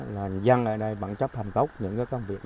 là dân ở đây bằng chân